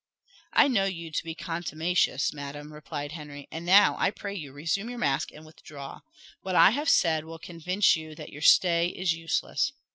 "I know you to be contumacious, madam," replied Henry. "And now, I pray you, resume your mask, and withdraw. What I have said will convince you that your stay is useless."